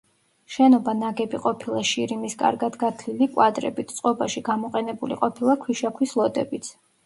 შენობა ნაგები ყოფილა შირიმის კარგად გათლილი კვადრებით, წყობაში გამოყენებული ყოფილა ქვიშაქვის ლოდებიც.